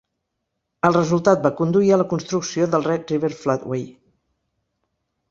El resultat va conduir a la construcció del Red River Floodway.